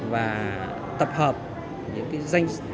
và tập hợp những danh sách của các doanh nghiệp việt nam